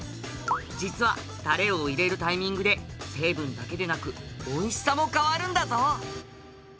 実はタレを入れるタイミングで成分だけでなくおいしさも変わるんだぞ！